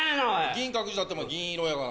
銀閣寺だって銀色やがな。